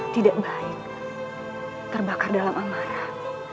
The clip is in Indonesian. tidak baik terbakar dalam amarah